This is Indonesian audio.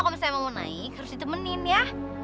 kalau misalnya mau naik harus ditemenin ya